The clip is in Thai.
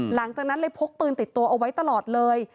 หลังจากนั้นเลยพกปืนติดตัวเอาไว้ตลอดเลย